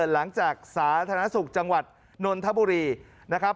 หลังจากสาธารณสุขจังหวัดนทบุรีนะครับ